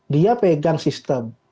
dia pegang sistem